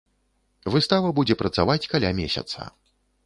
Выстава будзе працаваць каля месяца.